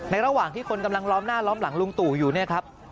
ระหว่างที่คนกำลังล้อมหน้าล้อมหลังลุงตู่อยู่เนี่ยครับ